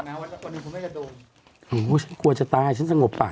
แบบนี้คุณยังไม่จะโดนอ๋อฉันกลัวจะตายฉันสงบปาก